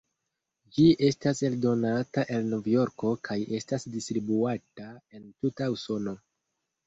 Ĝi estas eldonata en Novjorko kaj estas distribuata en tuta Usono.